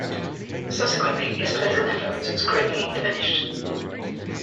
Subsequently, his political influence was greatly diminished.